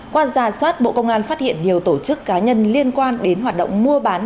qua giả soát bộ công an phát hiện nhiều tổ chức cá nhân liên quan đến hoạt động mua bán